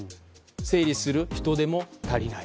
整理する人手も足りない。